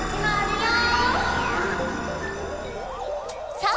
さあ！